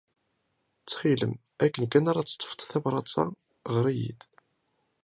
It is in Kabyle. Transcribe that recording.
Ttxil-m, akken kan ara d-teḍḍfed tabṛat-a, ɣer-iyi-d.